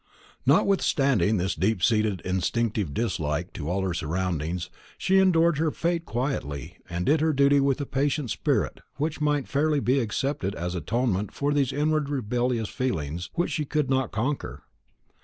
Notwithstanding this deeply seated instinctive dislike to all her surroundings, she endured her fate quietly, and did her duty with a patient spirit which might fairly be accepted as an atonement for those inward rebellious feelings which she could not conquer.